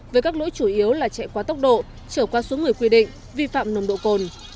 với các lỗi chủ yếu là chạy qua tốc độ trở qua số người quy định vi phạm nồng độ cồn